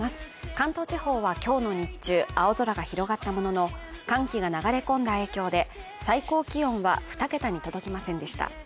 関東地方は今日の日中、青空が広がったものの、寒気が流れ込んだ影響で、最高気温は２桁に届きませんでした